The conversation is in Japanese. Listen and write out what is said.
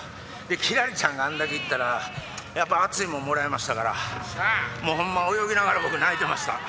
輝星ちゃんがあんだけいったら、やっぱ熱いもんもらいましたから、もうほんま、泳ぎながら僕、泣いてました。